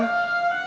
kamu sama asuhnya